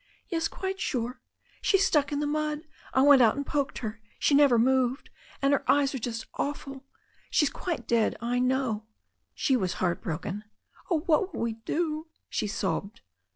Yes, quite sure. She is stuck in the mud. I went out and poked her — ^she never moved. And her eyes are just awful. She's quite dead, I know." She was heart broken. "Oh, what will we do?" she sobbed.